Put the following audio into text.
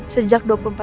sejak tahun dua ribu